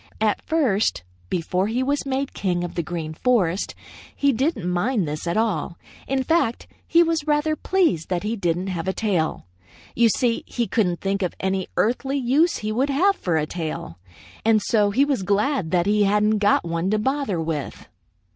At first, before he was made king of the Green Forest, he didn't mind this at all. In fact, he was rather pleased that he didn't have a tail. You see, he couldn't think of any earthly use he would have for a tail, and so he was glad that he hadn't got one to bother with.